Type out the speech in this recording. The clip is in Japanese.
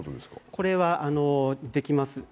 これはできます。